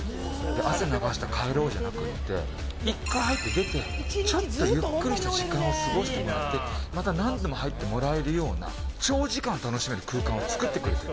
汗を流して帰ろうじゃなくて１回入って、出てちょっとゆっくりした時間を過ごしてもらってまた何度も入ってもらえるような長時間楽しめるような空間を作ってくれている。